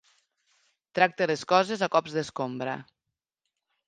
Tracta les coses a cops d'escombra.